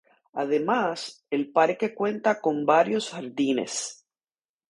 Además, el parque cuenta con varios jardines.